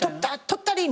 「取ったり！」